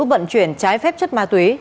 vận chuyển trái phép chất ma túy